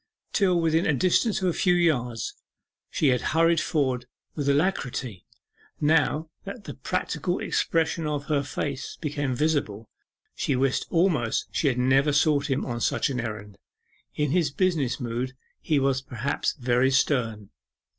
Till within a distance of a few yards she had hurried forward with alacrity now that the practical expression of his face became visible she wished almost she had never sought him on such an errand; in his business mood he was perhaps very stern.